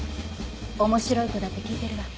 面白い子だって聞いてるわ。